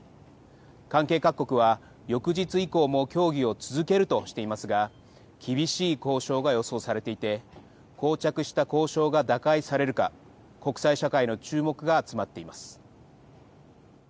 関係各国は、翌日以降も協議を続けるとしていますが、厳しい交渉が予想されていて、こう着した交渉が打開されるか、国際社会の注目が集まっています。